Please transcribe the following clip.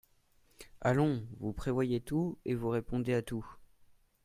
Allons ! vous prévoyez tout et vous répondez à tout.